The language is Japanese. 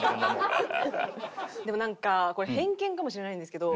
でもなんかこれ偏見かもしれないんですけど。